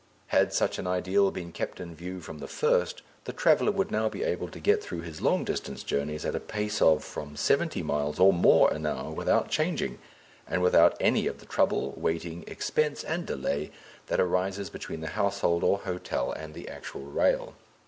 Had such an ideal been kept in view from the first the traveller would now be able to get through his long distance journeys at a pace of from seventy miles or more an hour without changing, and without any of the trouble, waiting, expense, and delay that arises between the household or hotel and the actual rail.